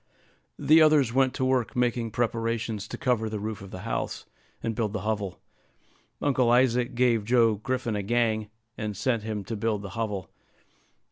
The others went to work making preparations to cover the roof of the house, and build the hovel. Uncle Isaac gave Joe Griffin a gang, and set him to build the hovel.